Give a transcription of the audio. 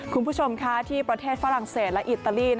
คุณผู้ชมค่ะที่ประเทศฝรั่งเศสและอิตาลี